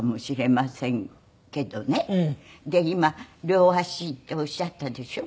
で今両足っておっしゃったでしょ。